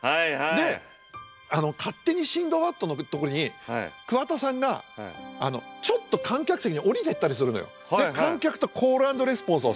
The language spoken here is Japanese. で「勝手にシンドバッド」の時に桑田さんがちょっと観客席に下りてったりするのよ。で観客とコール＆レスポンスをする。